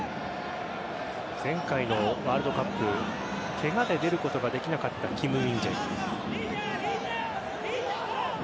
前回のワールドカップケガで出ることができなかったキム・ミンジェ。